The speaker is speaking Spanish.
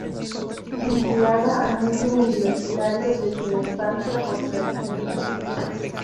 Vinculada al mundo universitario desde la infancia, por tradición familiar.